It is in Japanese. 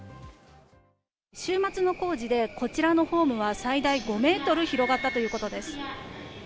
週末の工事でこちらのホームは最大５ｍ広がったということです。